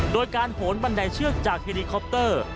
โดยการโหนบันไดเชือกจากเฮลิคอปเตอร์